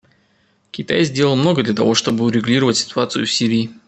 Китай сделал много для того, чтобы урегулировать ситуацию в Сирии.